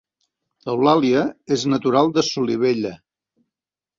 Eulàlia és natural de Solivella